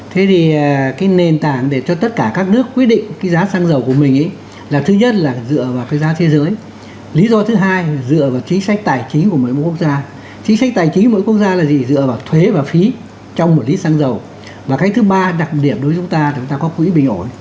thế thì chúng ta thấy là trong bảy năm vừa qua